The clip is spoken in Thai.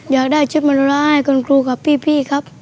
อยากได้ชุดมโนราให้คุณครูกับพี่ครับ